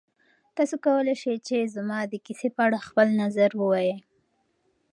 تاسو کولی شئ چې زما د کیسې په اړه خپل نظر ووایئ.